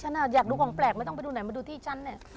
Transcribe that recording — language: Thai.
อยากดูของแปลกไม่ต้องไปดูไหนมาดูที่ฉันเนี่ย